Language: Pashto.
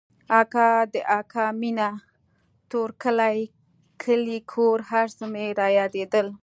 اکا د اکا مينه تورکى کلى کور هرڅه مې رايادېدل.